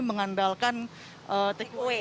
mengandalkan take away